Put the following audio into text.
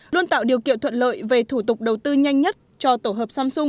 luôn tạo điều kiện thuận lợi về thủ tục đầu tư nhanh nhất cho tổ hợp samsung